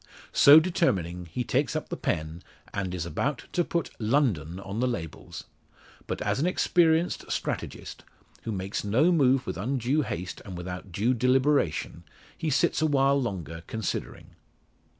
So determining, he takes up the pen, and is about to put "London" on the labels. But as an experienced strategist, who makes no move with undue haste and without due deliberation, he sits a while longer considering.